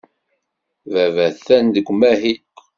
Baba atan deg umahil.